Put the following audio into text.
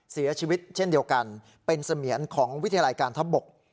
เช่นเดียวกันเป็นเสมียนของวิทยาลัยการทับบก